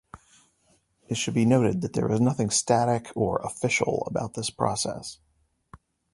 It should be noted that there is nothing static or "official" about this process.